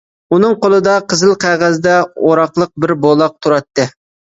ئۇنىڭ قولىدا قىزىل قەغەزدە ئوراقلىق بىر بولاق تۇراتتى.